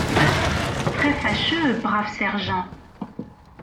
Très fâcheux, brave sergent!